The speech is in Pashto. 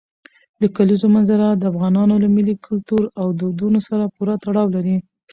د کلیزو منظره د افغانانو له ملي کلتور او دودونو سره پوره تړاو لري.